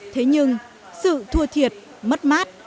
thế nhưng sự thua thiệt mất mát